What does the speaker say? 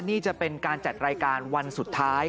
นี่จะเป็นการจัดรายการวันสุดท้าย